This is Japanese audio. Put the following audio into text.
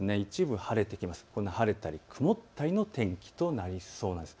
晴れたり曇ったりの天気となりそうです。